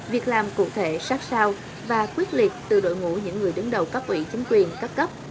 việc làm cụ thể sát sao và quyết liệt từ đội ngũ những người đứng đầu cấp ủy chính quyền các cấp